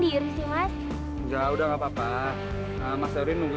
yaudah deh berangkat aja ya